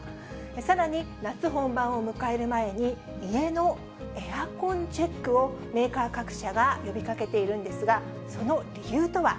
さらに夏本番を迎える前に、家のエアコンチェックを、メーカー各社が呼びかけているんですが、その理由とは。